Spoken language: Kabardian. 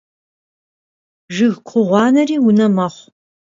Жыг ку гъуанэри унэ мэхъу.